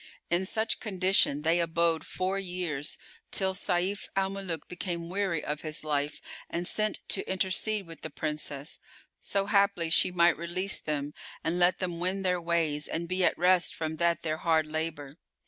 In such condition they abode four years till Sayf al Muluk became weary of his life and sent to intercede with the Princess, so haply she might release them and let them wend their ways and be at rest from that their hard labour.